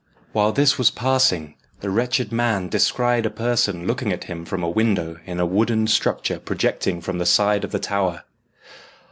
While this was passing, the wretched man descried a person looking at him from a window in a wooden structure projecting from the side of the tower.